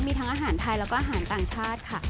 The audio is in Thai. มีทั้งอาหารไทยแล้วก็อาหารต่างชาติค่ะ